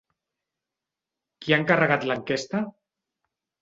Qui ha encarregat l'enquesta?